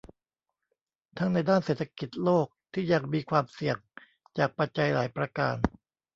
ทั้งในด้านเศรษฐกิจโลกที่ยังมีความเสี่ยงจากปัจจัยหลายประการ